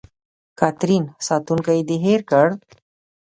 کاترین: ساتونکی دې هېر کړ.